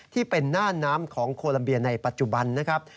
ที่เป็นหน้าน้ำของโคลัมเบียในปัจจุบันนะครับ